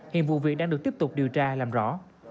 hiện vụ việc đang được tiếp tục điều tra làm rõ